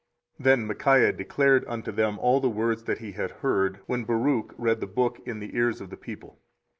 24:036:013 Then Michaiah declared unto them all the words that he had heard, when Baruch read the book in the ears of the people.